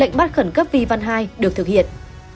lệnh bắt khẩn cấp vi văn hai được thực hiện